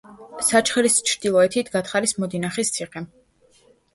საჩხერის ჩრდილოეთით გათხარეს მოდინახეს ციხე.